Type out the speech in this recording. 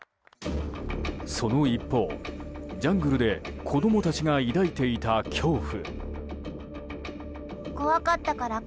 その一方、ジャングルで子供たちが抱いていた恐怖。